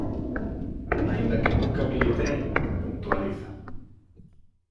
Aínda que nunca militei, puntualiza.